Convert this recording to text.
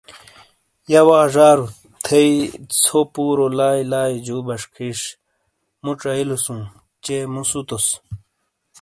یہہ وا زارو، تھئی ژھو پُورو لائی لائی جُو بشخِیش۔ مو چائیلوسُوں۔ چے مُو سُتوس۔